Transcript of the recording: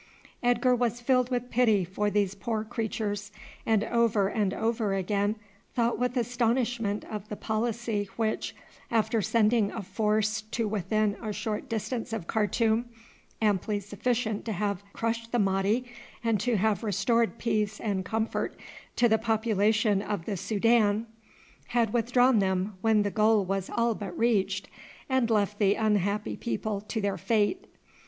Edgar was filled with pity for these poor creatures, and over and over again thought with astonishment of the policy which, after sending a force to within a short distance of Khartoum amply sufficient to have crushed the Mahdi and to have restored peace and comfort to the population of the Soudan, had withdrawn them when the goal was all but reached, and left the unhappy people to their fate.